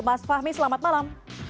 mas fahmi selamat malam